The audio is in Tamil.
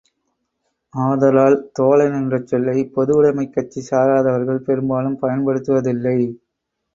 ஆதலால் தோழன் என்ற சொல்லை பொதுவுடைமைக் கட்சி சாராதவர்கள் பெரும்பாலும் பயன்படுத்துவதில்லை.